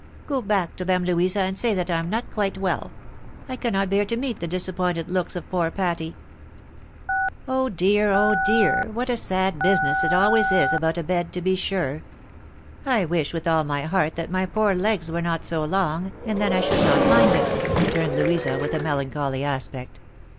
" Go back to them, Louisa, and say that I am not quite well. I cannot bear to meet the disappointed looks of poor Patty." '' Oh, dear ! oh, dear ! what a sad business it always is about a bed to b? sure ! I wish with all my heart that my poor legs were not so long, and then I should not mind it," returned Louisa, with a melancholy aspect.